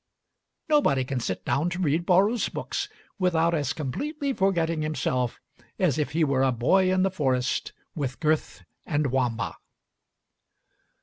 Nobody can sit down to read Borrow's books without as completely forgetting himself as if he were a boy in the forest with Gurth and Wamba.